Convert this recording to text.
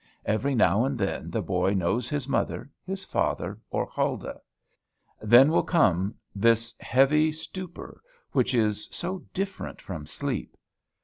Every now and then the boy knows his mother, his father, or Huldah. Then will come this heavy stupor which is so different from sleep.